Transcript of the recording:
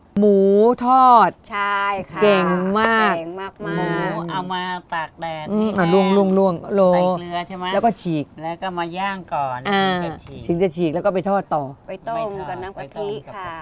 หมูทอดเก่งมากเอามาปากแดดแล้วเฉียบแล้วก็ฉีกแล้วก็ไปต้มกับน้ำกะทิค่ะ